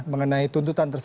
mengenai tuntutan perkab